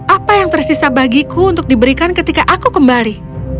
apa yang tersisa bagiku untuk diberikan ketika aku kembali